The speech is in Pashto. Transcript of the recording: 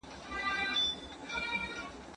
آیا عمل تر نظریې اړین دی؟